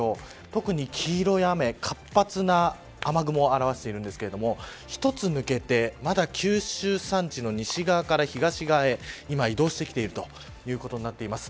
特に黄色い雨、活発な雨雲を表しているんですが１つ抜けて、まだ九州山地の西側から東側へ今、移動してきているということになっています。